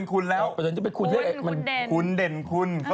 คนที่๕ไอ้อ้วนเด่นคุณ